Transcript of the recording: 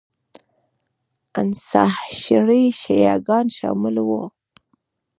اثناعشري شیعه ګان شامل وو